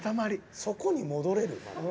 そこに戻れる？